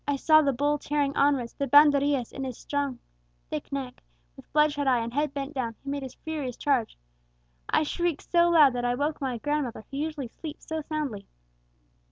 I saw the bull tearing onwards, the banderillas in his thick strong neck; with bloodshot eye, and head bent down, he made his furious charge! I shrieked so loud that I awoke my grandmother, who usually sleeps so soundly!